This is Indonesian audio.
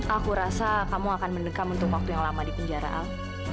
aku rasa kamu akan mendekam untuk waktu yang lama di penjaraan